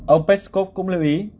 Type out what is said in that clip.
ông peskov cũng lưu ý